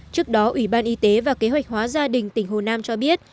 trước đó ủy ban y tế và kế hoạch hóa gia đình tỉnh hồ nam cho biết